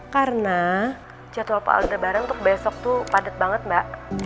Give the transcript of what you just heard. karena jadwal pak aldebaran untuk besok tuh padet banget mbak